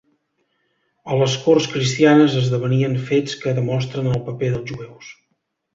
A les corts cristianes esdevenien fets que demostren el paper dels jueus.